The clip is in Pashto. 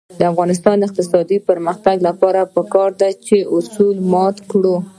د افغانستان د اقتصادي پرمختګ لپاره پکار ده چې اصول مات نکړو.